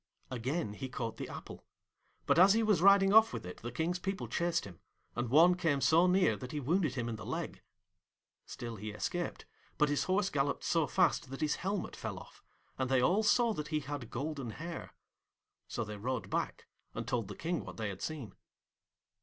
Again he caught the apple; but as he was riding off with it the King's people chased him, and one came so near that he wounded him in the leg. Still he escaped, but his horse galloped so fast that his helmet fell off, and they all saw that he had golden hair. So they rode back, and told the King what they had seen.